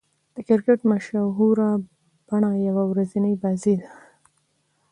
د کرکټ مشهوره بڼه يوه ورځنۍ بازي ده.